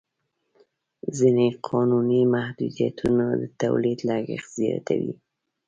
ځینې قانوني محدودیتونه د تولید لګښت زیاتوي.